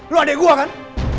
lo adek gue kan